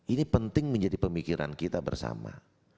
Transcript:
ini penting menjadi pemikiran kita bersama